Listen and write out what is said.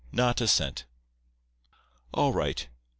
Not a cent. All right.